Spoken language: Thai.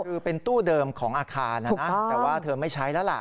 คือเป็นตู้เดิมของอาคารนะนะแต่ว่าเธอไม่ใช้แล้วล่ะ